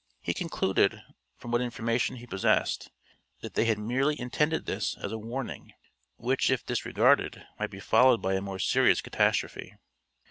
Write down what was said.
He concluded, from what information he possessed, that they had merely intended this as a warning, which if disregarded might be followed by a more serious catastrophe.